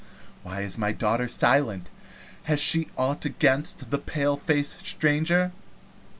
Why is my daughter silent? Has she ought against the paleface stranger?"